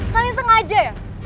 kalian sengaja ya